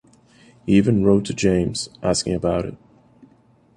He even wrote to James, asking about it.